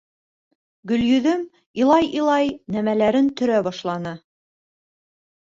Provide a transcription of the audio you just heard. Гөлйөҙөм, илай-илай, нәмәләрен төрә башланы.